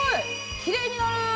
きれいになる！